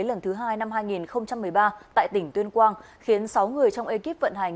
lần thứ hai năm hai nghìn một mươi ba tại tỉnh tuyên quang khiến sáu người trong ekip vận hành